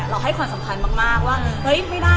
เราให้ควรสำคัญมากว่า